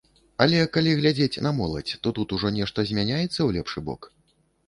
Але калі глядзець на моладзь, то тут ужо нешта змяняецца ў лепшы бок?